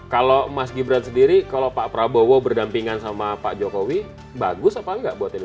kalau mas gibran sendiri kalau pak prabowo berdampingan sama pak jokowi bagus apa enggak buat indonesia